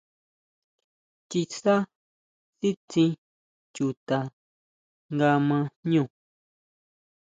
ʼChiʼisá sítsín chuta nga ma jñú.